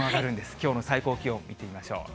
きょうの最高気温見てみましょう。